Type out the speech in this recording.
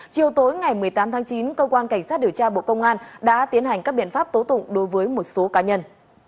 chiều tối ngày một mươi tám tháng chín cơ quan cảnh sát điều tra bộ công an đã tiến hành các biện pháp tố tụng đối với một số cá nhân